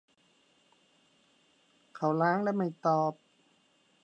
เขาล้างและไม่ตอบ